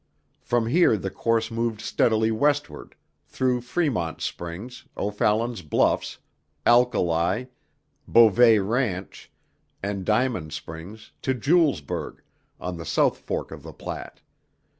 From here the course moved steadily westward, through Fremont's Springs, O'Fallon's Bluffs, Alkali, Beauvais Ranch, and Diamond Springs to Julesburg, on the South fork of the Platte.